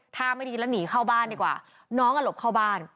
ถ้าไม่ดีแล้วหนีเข้าบ้านดีกว่าน้องอ่ะหลบเข้าบ้าน